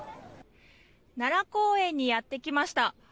奈良公園にやってきました。